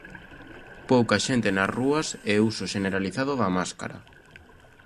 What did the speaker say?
Pouca xente nas rúas e uso xeneralizado da máscara.